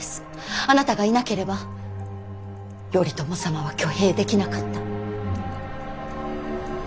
あなたがいなければ頼朝様は挙兵できなかった。